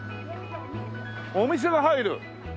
お店が入る。